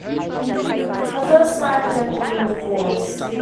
Her first marriage ended in divorce.